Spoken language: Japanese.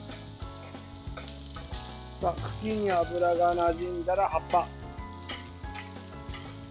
茎に油がなじんだら、葉っぱ。